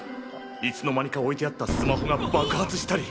いつの間にか置いてあったスマホが爆発したり。